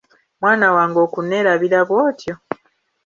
Mwana wange okuneelabira bwotyo?